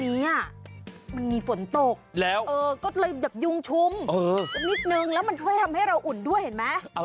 นี้มันมีฝนตกแล้วก็เลยแบบยุงชุมนิดนึงแล้วมันช่วยทำให้เราอุ่นด้วยเห็นไหม